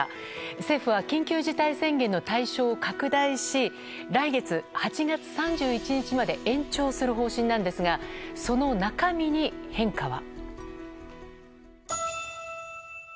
政府は緊急事態宣言の対象を拡大し来月、８月３１日まで延長する方針なんですがその中身に変化は。